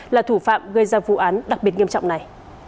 là thủ phạm gây ra vụ án đặc biệt nghiêm trọng này